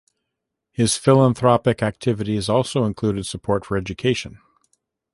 His philanthropic activities also included support for education.